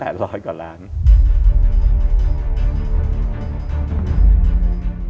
มันเกิดให้ล้อมละลายั้งมือ